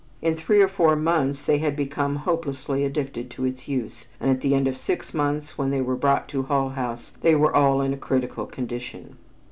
In three or four months they had become hopelessly addicted to its use, and at the end of six months, when they were brought to Hull House, they were all in a critical condition.